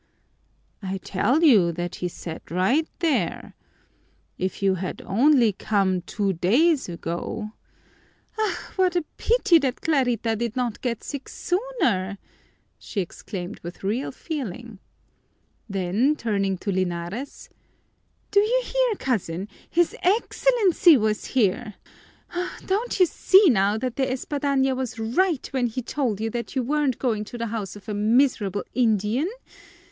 "I tell you that he sat right there. If you had only come two days ago " "Ah, what a pity that Clarita did not get sick sooner!" she exclaimed with real feeling. Then turning to Linares, "Do you hear, cousin? His Excellency was here! Don't you see now that De Espadaña was right when he told you that you weren't going to the house of a miserable Indian?